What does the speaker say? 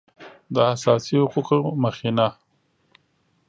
د اساسي حقوقو مخینه